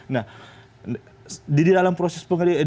nah di dalam proses pengadilan